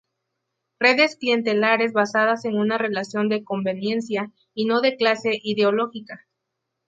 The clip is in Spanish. Redes clientelares basadas en una relación de conveniencia y no de clase o ideológica.